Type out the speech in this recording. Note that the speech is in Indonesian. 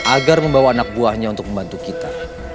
agar membawa anak buahnya untuk membantu kita